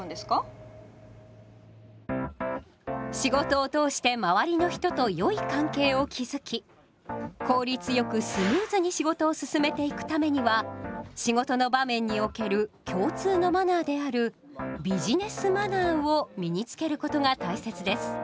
仕事を通して周りの人とよい関係を築き効率よくスムーズに仕事を進めていくためには仕事の場面における共通のマナーであるビジネスマナーを身につけることが大切です。